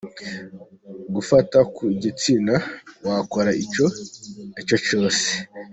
Gufata ku gitsina, wakora icyo aricyo cyose.